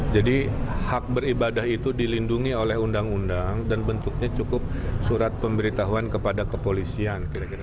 jadi hak beribadah itu dilindungi oleh undang undang dan bentuknya cukup surat pemberitahuan kepada kepolisian